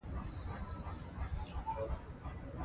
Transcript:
د کانټېنجنسي ټکي له پاره بار بار وضاحت غوښتۀ